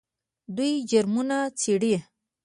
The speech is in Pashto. دوی جرمونه څیړي.